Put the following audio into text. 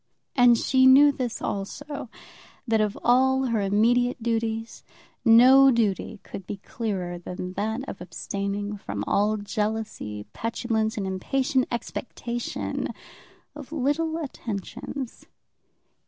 And she knew this also, that of all her immediate duties, no duty could be clearer than that of abstaining from all jealousy, petulance, and impatient expectation of little attentions.